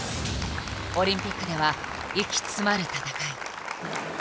オリンピックでは息詰まる戦い。